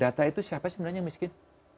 data itu siapa sebenarnya yang miskin